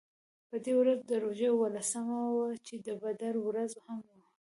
په دې ورځ د روژې اوولسمه وه چې د بدر ورځ هم وه.